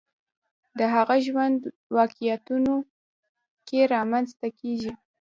د هغه ژوند واقعیتونو کې رامنځته کېږي